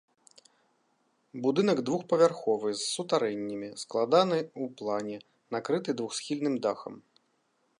Будынак двухпавярховы з сутарэннямі, складаны ў плане, накрыты двухсхільным дахам.